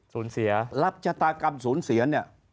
สูญเสียหลับจตากรรมสูญเสีย